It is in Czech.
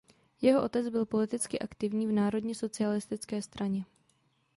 Jeho otec byl politicky aktivní v národně socialistické straně.